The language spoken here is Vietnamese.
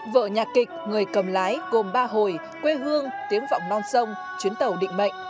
vở nhà kịch người cầm lái gồm ba hồi quê hương tiếm vọng non sông chuyến tàu định mệnh